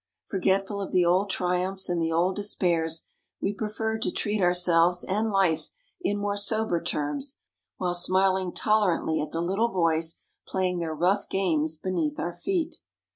Forgetful of the old triumphs and the old despairs, we preferred to treat ourselves and life in more sober terms, while smiling tolerantly at the little boys playing their rough games beneath our feet.